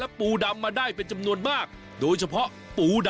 วันนี้พาลงใต้สุดไปดูวิธีของชาวปักใต้อาชีพชาวเล่น